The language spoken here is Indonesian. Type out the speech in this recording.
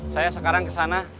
saya sekarang ke sana